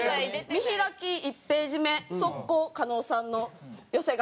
見開き１ページ目即行加納さんの寄せ書き。